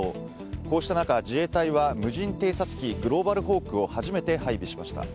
こうした中、自衛隊は無人偵察機グローバルホークを初めて配備しました。